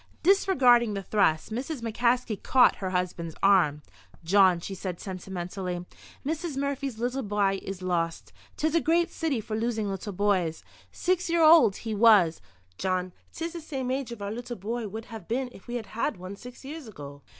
Disregarding the thrust, Mrs. McCaskey caught her husband's arm. "Jawn," she said, sentimentally, "Missis Murphy's little bye is lost. 'Tis a great city for losing little boys. Six years old he was. Jawn, 'tis the same age our little bye would have been if we had had one six years ago."